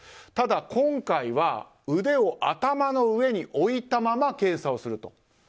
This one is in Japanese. ただ今回は腕を頭の上に置いたまま検査をすると。